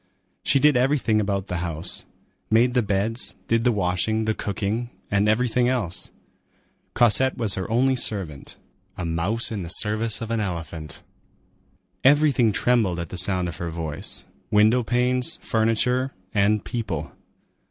She did everything about the house,—made the beds, did the washing, the cooking, and everything else. Cosette was her only servant; a mouse in the service of an elephant. Everything trembled at the sound of her voice,—window panes, furniture, and people.